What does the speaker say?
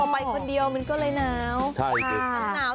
อ๋อไปกันเดียวมันก็เลยหนาว